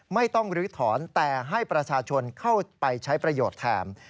ไม่ต้องลื้อถอนแต่ให้ประชาชนเข้าไปใช้ประโยชน์แทน